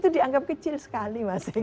dianggap kecil sekali mas